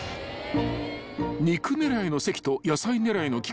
［肉狙いの関と野菜狙いの菊地］